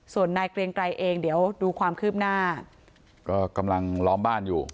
ส่วนนายเกรียงไกรเองเดี๋ยวดูความคืบหน้าก็กำลังล้อมบ้านอยู่